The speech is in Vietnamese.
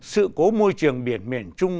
sự cố môi trường biển miền chung